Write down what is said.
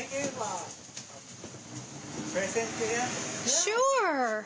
シュアー。